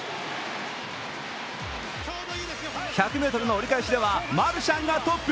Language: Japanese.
１００ｍの折り返しではマルシャンがトップ。